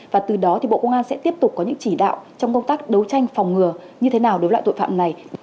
và từ đó thì bộ công an sẽ tiếp tục có những chỉ đạo trong công tác đấu tranh phòng ngừa như thế nào đối với loại tội phạm này